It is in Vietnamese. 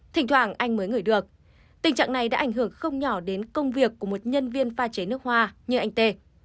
thỉnh thoảng anh mới ngửi được tình trạng này đã ảnh hưởng không nhỏ đến công việc của một nhân viên pha chế nước hoa như anh tê